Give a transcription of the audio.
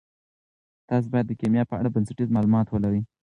تاسي باید د کیمیا په اړه بنسټیز معلومات ولرئ.